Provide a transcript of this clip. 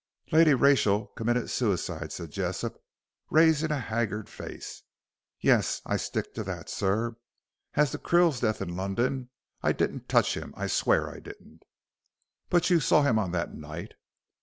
"Lady Rachel committed suicide," said Jessop, raising a haggard face. "Yes I stick to that, sir. As to Krill's death in London, I didn't touch him; I swear I didn't." "But you saw him on that night?"